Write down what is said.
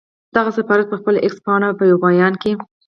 دغه سفارت پر خپله اېکس پاڼه په یو بیان کې